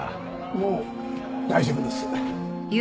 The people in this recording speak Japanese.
もう大丈夫です。